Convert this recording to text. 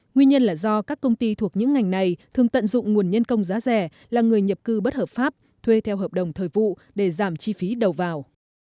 nguyên nhân là do các công ty thuộc những ngành này thường tận dụng nguồn nhân công giá rẻ là người nhập cư bất hợp pháp thuê theo hợp đồng thời vụ để giảm chi phí đầu vào